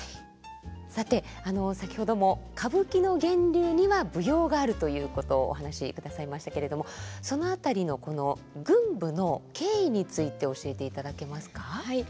さて先ほども歌舞伎の源流には舞踊があるということをお話しくださいましたけれどもその辺りのこの群舞の経緯について教えていただけますか？